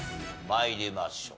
参りましょう。